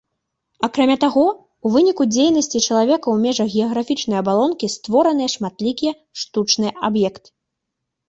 Акрамя таго, у выніку дзейнасці чалавека ў межах геаграфічнай абалонкі створаныя шматлікія штучныя аб'екты.